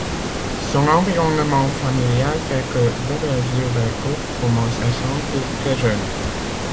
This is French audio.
Son environnement familial fait que Bebel Gilberto commence à chanter très jeune.